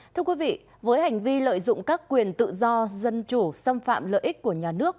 thưa quý vị với hành vi lợi dụng các quyền tự do dân chủ xâm phạm lợi ích của nhà nước